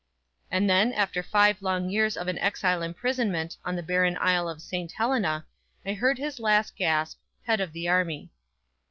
And then after five long years of an exile imprisonment on the barren isle of St. Helena, I heard his last gasp, "Head of the Army!"